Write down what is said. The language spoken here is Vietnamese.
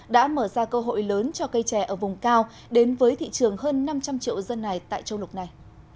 đã mở ra cơ hội lớn cho cây chè ở vùng cao đến với thị trường hơn năm trăm linh triệu dân này tại châu lục này